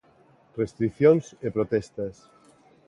Restricións e protestas.